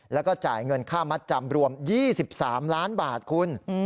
แล้วก็จ่ายเงินค่ามัดจำรวม๒๓ล้านบาทคุณ